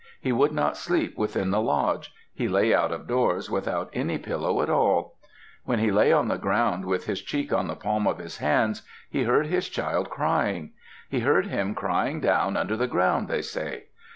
He would not sleep within the lodge; he lay out of doors, without any pillow at all. When he lay on the ground with his cheek on the palm of his hand, he heard his child crying. He heard him crying down under the ground, they say.